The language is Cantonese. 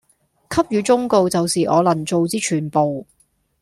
給予忠告就是我能做之全部